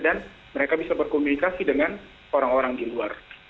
dan mereka bisa berkomunikasi dengan orang orang di luar